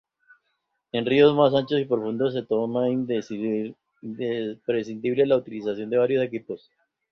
En ríos más anchos y profundos se torna imprescindible la utilización de varios equipos.